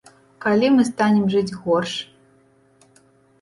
Калі мы станем жыць горш?